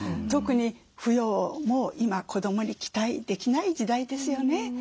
特に扶養も今子どもに期待できない時代ですよね。